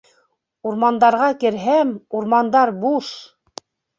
Урмандарға керһәм, урмандар буш!